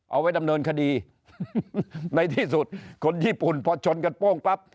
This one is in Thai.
เอาไว้ดำเนินคดีในที่สุดคนญี่ปุ่นพอชนกันโป้งปั๊บ